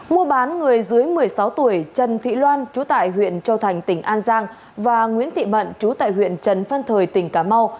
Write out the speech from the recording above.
mua bán người dưới một mươi sáu tuổi trần thị loan chú tại huyện châu thành tỉnh an giang và nguyễn thị mận trú tại huyện trần phan thời tỉnh cà mau